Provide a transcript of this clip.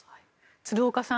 鶴岡さん